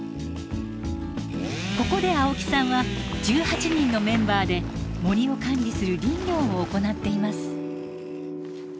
ここで青木さんは１８人のメンバーで森を管理する林業を行っています。